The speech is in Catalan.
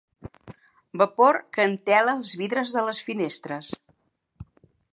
Vapor que entela els vidres de les finestres.